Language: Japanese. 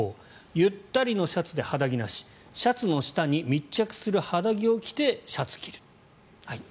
ゆったりのシャツで肌着なしシャツの下に密着する肌着を着てシャツを着る。